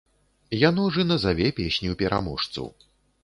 Яно ж і назаве песню-пераможцу.